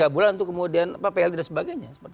tiga bulan untuk kemudian plt dan sebagainya